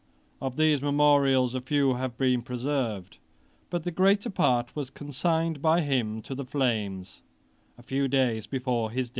Of these memorials a few have been preserved; but the greater part was consigned by him to the flames, a few days before his death.